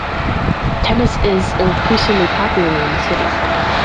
Tennis is increasingly popular in the city.